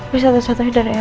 bisa tersatuhi dari eosa